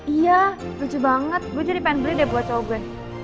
iya lucu banget gue jadi pengen beli deh buat cobek